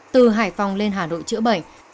từ hải phòng lên hà nội chữa bệnh